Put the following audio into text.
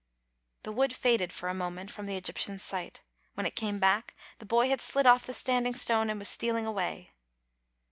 The wood faded for a moment from the Egyptian's sight. When it came back, the boy had slid off the Standing Stone and was stealing away.